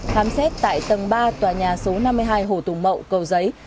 khám xét tại tầng ba tòa nhà số năm mươi hai hồ tùng mậu cầu giấy